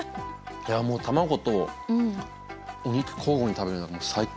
いやもう卵とお肉交互に食べるのはもう最高。